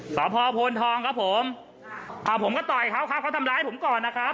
สขอบบพลทองครับผมแชให้หน่อยครับ